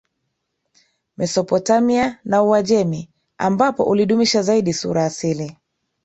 Mesopotamia na Uajemi ambapo ulidumisha zaidi sura asili